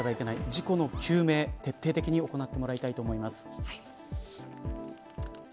事故の究明、徹底的に行ってもらいたいと思います。